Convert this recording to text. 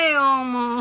もう。